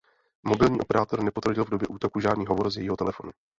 Mobilní operátor nepotvrdil v době útoku žádný hovor z jejího telefonu.